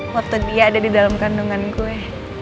waktu dia ada di dalam kandungan kue